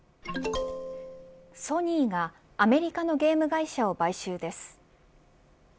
ソニーがアメリカのゲーム会社を買収です。